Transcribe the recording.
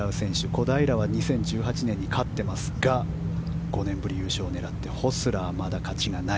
小平は２０１８年に勝っていますが５年ぶり優勝を狙ってホスラーはまだ勝ちがない。